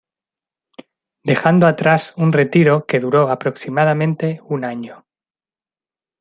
Dejando atrás un retiro que duro aproximadamente un año.